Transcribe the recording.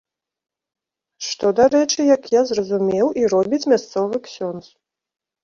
Што, дарэчы, як я зразумеў, і робіць мясцовы ксёндз.